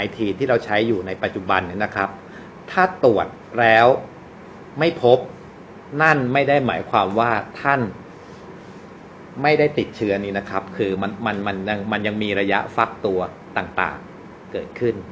ที่เราใช้อยู่ในปัจจุบันนี้นะครับถ้าตรวจแล้วไม่พบนั่นไม่ได้หมายความว่าท่านไม่ได้ติดเชื้อนี้นะครับคือมันมันยังมีระยะฟักตัวต่างเกิดขึ้น